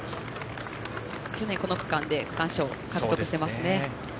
去年、この区間で区間賞を獲得していますね。